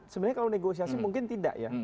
sebenarnya kalau negosiasi mungkin tidak ya